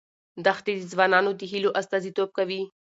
دښتې د ځوانانو د هیلو استازیتوب کوي.